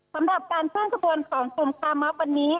สำหรับการเครื่องขบวนของสมภัพรรณ์วันนี้